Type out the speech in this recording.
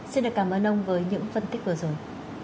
xin được cảm ơn ông với những phân tích vừa rồi